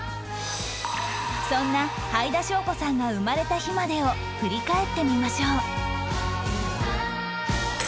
そんなはいだしょうこさんが生まれた日までを振り返ってみましょう